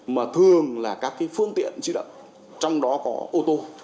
mà thường là các phương tiện chứa đậm trong đó có ô tô